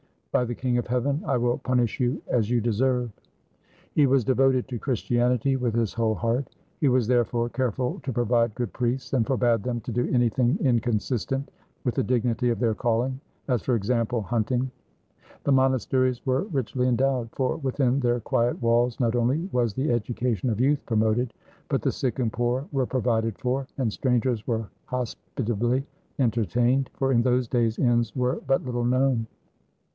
By the King of Heaven, I will punish you as you deserve." He was devoted to Christianity with his whole heart. He was therefore careful to provide good priests, and forbade them to do anything inconsistent with the dignity of their calHng — as, for example, hunting. The 163 FRANCE monasteries were richly endowed, for within their quiet walls not only was the education of youth promoted, but the sick and poor were provided for, and strangers were hospitably entertained ; for in those days inns were but little known.